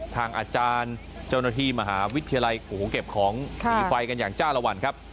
ทางอาจารย์เจ้าหน้าที่มหาวิทยาลัยโอ้โหเก็บของหนีไฟกันอย่างจ้าละวันครับ